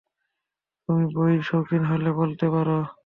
তুমি বই শৌখিন হলে বলতে পারো।